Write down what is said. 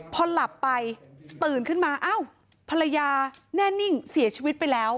พอหลับไปตื่นขึ้นมาอ้าวภรรยาแน่นิ่งเสียชีวิตไปแล้ว